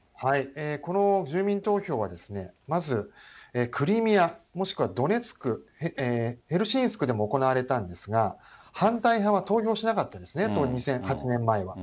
この住民投票は、まずクリミア、もしくはドネツク、ヘルシンスクでも行われたんですが、反対派は投票しなかったですね、８年前は。